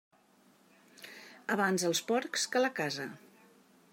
Abans els porcs que la casa.